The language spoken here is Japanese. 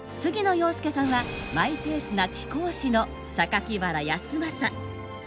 遥亮さんはマイペースな貴公子の原康政。